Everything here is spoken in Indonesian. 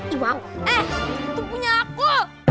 eh itu punya aku